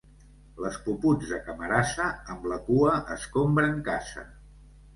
Les puputs de Camarasa, amb la cua escombren casa.